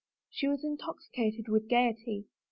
She was intoxicated with gayety.